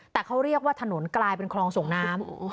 แต่เขาเรียกว่าถนนกลายเป็นคลองส่งน้ำ